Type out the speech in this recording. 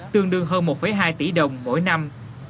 tương đương hơn một hai tỷ đồng mỗi năm